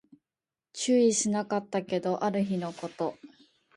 注意しなかったけど、ある日のこと